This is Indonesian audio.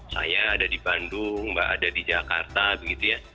saya ada di bandung mbak ada di jakarta begitu ya